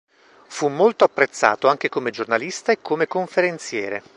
Fu molto apprezzato anche come giornalista e come conferenziere.